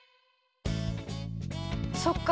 そっか。